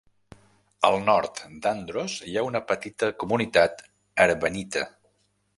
Al nord d'Andros hi ha una petita comunitat Arvanite.